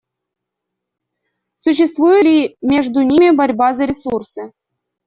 Существует ли между ними борьба за ресурсы?